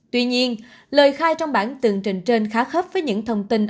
tuy nhiên lời khai trong bản tường trình trên khá khớp với những thông tin